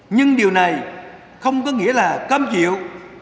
nhưng điều này không có nghĩa là cam chịu